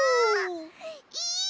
いい！